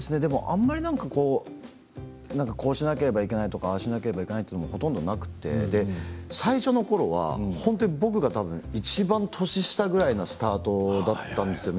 あんまりこうしなければいけないとかああしなければいけないというのはほとんどなくて最初のころは本当は僕がいちばん年下くらいのスタートだったんですよ。